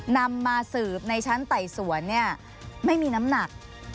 นำมาสืบในชั้นไต่สวนไม่มีน้ำหนัก